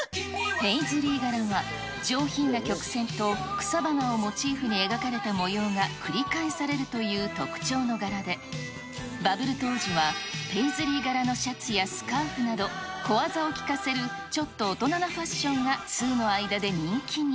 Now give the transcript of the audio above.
ペイズリー柄は、上品な曲線と草花をモチーフに描かれた模様が繰り返されるという特徴の柄で、バブル当時はペイズリー柄のシャツやスカーフなど、小技を効かせるちょっと大人なファッションが通の間で人気に。